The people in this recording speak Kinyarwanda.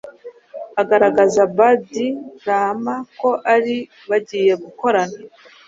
agaragaza bad rama ko ari bagiye gukorana